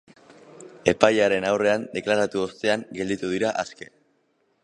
Epailearen aurrean deklaratu ostean gelditu dira aske.